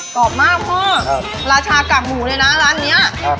กรอบมากพ่อครับราชากากหมูเลยน่ะร้านเนี้ยครับ